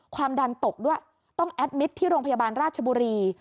ความดันตกด้วยต้องแอดมิตรที่โรงพยาบาลราชบุรี